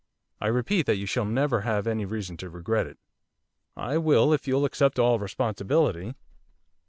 I repeat that you shall never have any reason to regret it.' 'I will if you'll accept all responsibility.